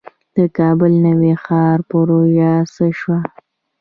د کابل نوی ښار پروژه څه شوه؟